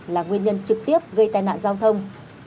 là nguyên nhân trực tiếp gây tai nạn giao thông